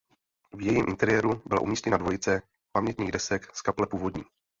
V jejím interiéru byla umístěna dvojice pamětních desek z kaple původní.